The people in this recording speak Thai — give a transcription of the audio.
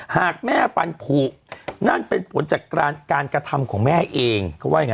หากแม่ฟันผูกนั่นเป็นผลจากการกระทำของแม่เอง